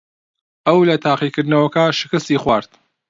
ئەو لە تاقیکردنەوەکە شکستی خوارد.